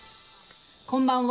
こんばんは。